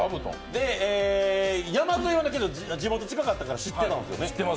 山添は地元、近かったから知ってたんですよね。